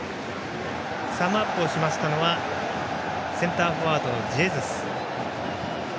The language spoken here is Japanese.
サムアップをしましたのはセンターフォワードのジェズス。